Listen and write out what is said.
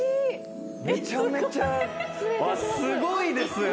すごいです何か。